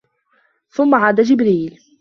ثُمَّ عَادَ جِبْرِيلُ